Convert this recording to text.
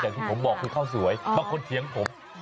อย่างที่ผมบอกคือข้าวสวยบางคนเถียงผม